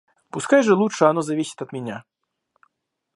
Пускай же лучше оно зависит от меня.